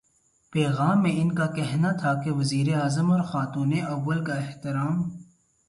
پیغام میں ان کا کہنا تھا کہ وزیرا اعظم اور خاتونِ اول کا احترام